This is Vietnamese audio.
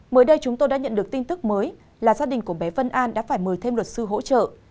mới đây chúng tôi đã nhận được tin tức mới là gia đình của bé vân an đã phải mời thêm luật sư hỗ trợ